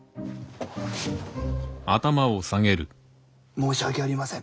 申し訳ありません。